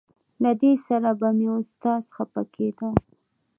له دې سره به مې استاد خپه کېده.